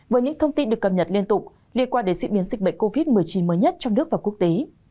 với những thông tin được cập nhật liên tục liên quan đến diễn biến dịch bệnh covid một mươi chín mới nhất trong nước và quốc tế